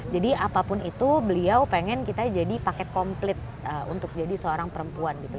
jadi apapun itu beliau pengen kita jadi paket komplit untuk jadi seorang perempuan gitu